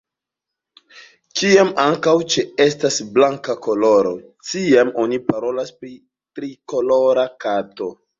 Kiam ankaŭ ĉeestas blanka koloro, tiam oni parolas pri trikolora kato.